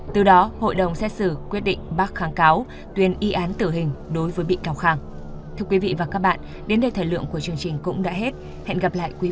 từ đó hội đồng xét xử quyết định bác kháng cáo tuyên y án tử hình đối với bị cáo khang